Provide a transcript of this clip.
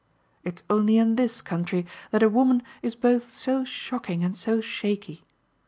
It's only in this country that a woman is both so shocking and so shaky."